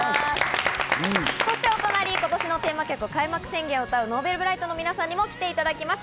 そしてお隣今年のテーマ曲『開幕宣言』を歌うＮｏｖｅｌｂｒｉｇｈｔの皆さんにも来ていただきました。